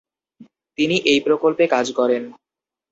তিনি এই প্রকল্পে কাজ করেন।